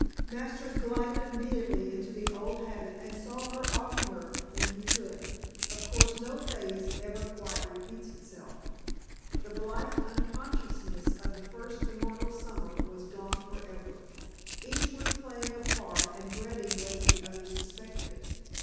Masters glided immediately into the old habit and saw her oftener when he could. Of course no phase ever quite repeats itself. The blithe unconsciousness of that first immortal summer was gone for ever; each was playing a part and dreading lest the other suspect it.